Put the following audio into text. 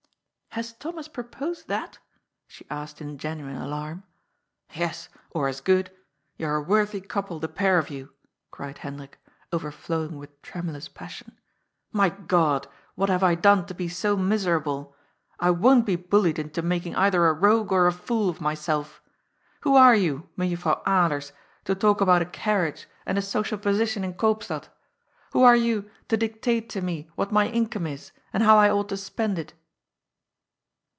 ^ ''Has Thomas proposed that?" she asked in genuine darm. " Yes, or as good. You are a worthy couple, the pair of you !" cried Hendrik, overflowing with tremulous passion. " My God, what have I done to be so miserable 1 I wofi^t be bullied into making either a rogue or a fool of mysell Who are you, Mejuffrouw Alers, to talk about a carriage and a social position in Eoopstad ? Who are you to dictate to me what my income is and how I ought to spend it?"